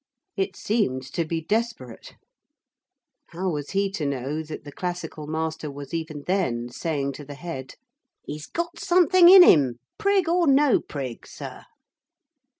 It seemed to be desperate. How was he to know that the classical master was even then saying to the Head: 'He's got something in him, prig or no prig, sir.'